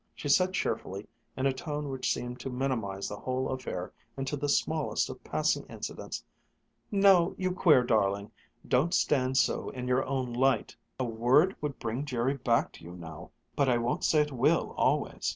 She said cheerfully, in a tone which seemed to minimize the whole affair into the smallest of passing incidents: "Now, you queer darling, don't stand so in your own light! A word would bring Jerry back to you now but I won't say it will always.